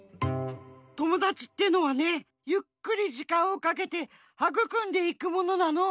友だちってのはねゆっくりじかんをかけてはぐくんでいくものなの。